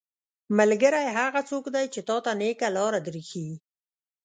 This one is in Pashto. ملګری هغه څوک دی چې تاته نيکه لاره در ښيي.